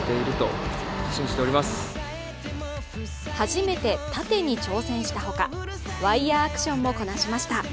初めてたてに挑戦したほかワイヤーアクションもこなしました。